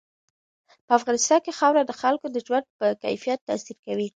په افغانستان کې خاوره د خلکو د ژوند په کیفیت تاثیر کوي.